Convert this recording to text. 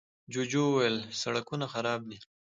جوجو وويل، سړکونه خراب دي.